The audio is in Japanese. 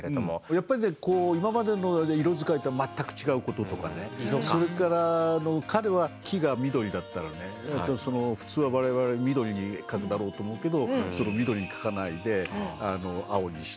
やっぱりねこう今までの色使いとは全く違うこととかねそれからあの彼は木が緑だったらねその普通は我々緑に描くだろうと思うけど緑に描かないで青にしたり茶色にしたり。